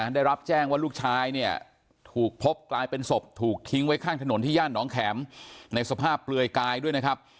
ได้รับแจ้งว่าลูกชายเนี่ยถูกพบกลายเป็นศพถูกทิ้งไว้ข้างถนนที่ย่านน้องแข็มในสภาพเปลือยกายด้วยนะครับ